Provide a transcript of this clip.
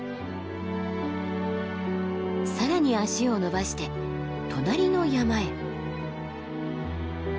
更に足をのばして隣の山へ。